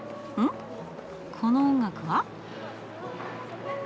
この音楽は。